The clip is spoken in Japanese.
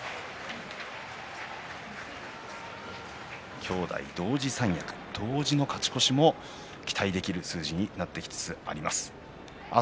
兄弟同時三役同時の勝ち越しも期待できる数字になってきつつあります。